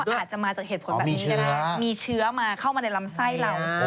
เพราะอาจจะมาจากเหตุผลแบบนี้แหละครับมีเชื้อมาเข้ามาในลำไส้เราอ๋อมีเชื้อ